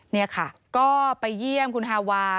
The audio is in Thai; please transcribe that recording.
นี่ค่ะก็ไปเยี่ยมคุณฮาวา